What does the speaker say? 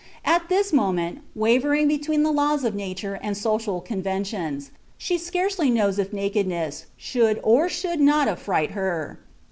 At this moment, wavering between the laws of Nature and social conventions, she scarcely knows if nakedness should or should not affright her.